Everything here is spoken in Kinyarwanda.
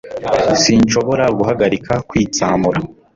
sinshobora guhagarika kwitsamura